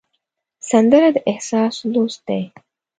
سندره د احساس لوست دی